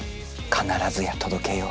必ずや届けよう。